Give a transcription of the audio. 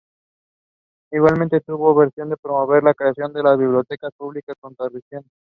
Igualmente, tuvo la visión de promover la creación de las bibliotecas públicas costarricenses.